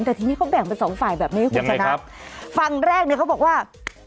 แต่ทีนี้เขาแบ่งเป็นสองฝ่ายแบบนี้คุณชนะฝั่งแรกเนี่ยเขาบอกว่า